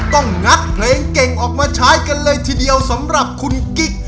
งัดเพลงเก่งออกมาใช้กันเลยทีเดียวสำหรับคุณกิ๊ก